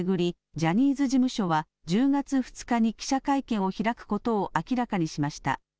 ジャニーズ事務所は１０月２日に記者会見を開くことを明らかにしました。